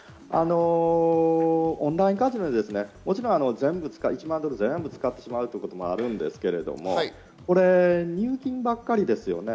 オンラインカジノで、もちろん、１万ドル全部使ってしまうということもあるんですけど、入金ばっかりですよね。